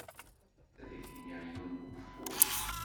Ad ak-iniɣ yiwen n wufur.